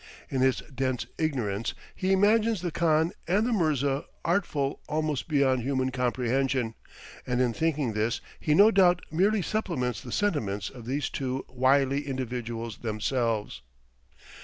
In his dense ignorance he imagines the khan and the mirza artful almost beyond human comprehension, and in thinking this he no doubt merely supplements the sentiments of these two wily individuals themselves.